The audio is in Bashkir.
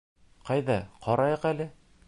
Ҡайҙа, ҡарайыҡ әле!